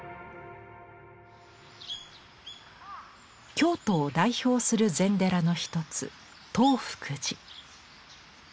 京都を代表する禅寺の一つ東福寺。